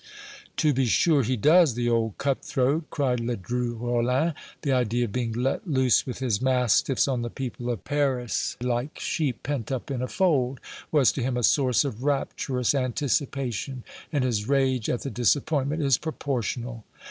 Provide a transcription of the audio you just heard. "To be sure he does, the old cut throat!" cried Ledru Rollin. "The idea of being let loose with his mastiffs on the people of Paris, like sheep pent up in a fold, was to him a source of rapturous anticipation, and his rage at the disappointment is proportional!"